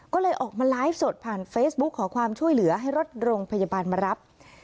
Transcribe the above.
ก็เลยออกมาไลฟ์สดผ่านเฟซบุ๊คขอความช่วยเหลือให้รถโรงพยาบาลมารับ